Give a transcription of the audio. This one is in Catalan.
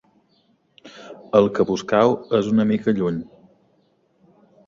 El que busqueu és una mica lluny.